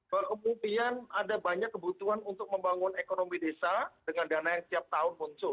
kemudian ada banyak kebutuhan untuk membangun ekonomi desa dengan dana yang tiap tahun muncul